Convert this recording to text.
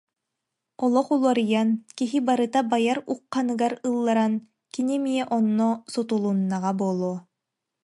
Олох уларыйан, киһи барыта байар ухханыгар ылларан кини эмиэ онно сутулуннаҕа буолуо